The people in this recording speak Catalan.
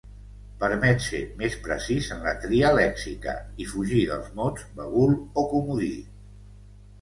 Permet ser més precís en la tria lèxica i fugir dels mots bagul o comodí.